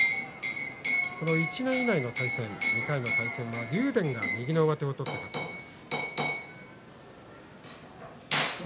１年以来の対戦、２回の対戦は竜電が右の上手を取って勝っています。